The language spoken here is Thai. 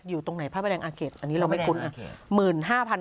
อยู่ตรงไหนพระประแดงอาเกตอันนี้เราไม่คุ้น